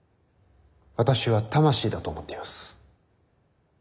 私は魂だと思っています。